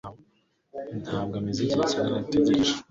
Ntabwo umaze igihe kinini utegereje